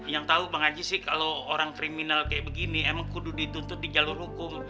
yang tahu bang haji sih kalau orang kriminal kayak begini emang kudu dituntut di jalur hukum